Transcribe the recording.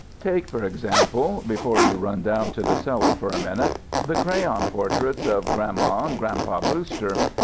Take, for example (before we run down to the cellar for a minute), the crayon portraits of Gran'ma and Gran'pa Brewster.